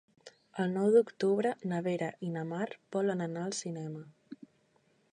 El nou d'octubre na Vera i na Mar volen anar al cinema.